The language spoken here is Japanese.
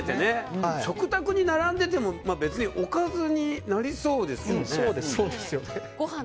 食卓に並んでいてもおかずになりそうですよね。